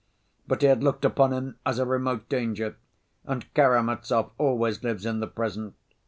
But he had looked upon him as a remote danger, and Karamazov always lives in the present.